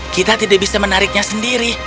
kita tidak bisa menariknya sendiri